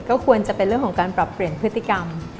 ก็ควรจะเป็นเรื่องของการปรับเปลี่ยนพฤติกรรม